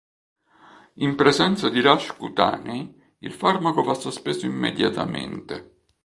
In presenza di rash cutanei il farmaco va sospeso immediatamente.